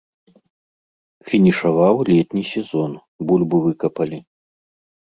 Фінішаваў летні сезон, бульбу выкапалі.